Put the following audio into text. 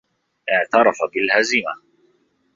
اعترف بالهزيمة.